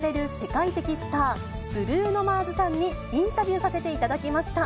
チケットが取れないといわれる世界的スター、ブルーノ・マーズさんにインタビューさせていただきました。